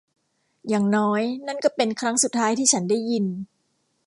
อย่างน้อยนั่นก็เป็นครั้งสุดท้ายที่ฉันได้ยิน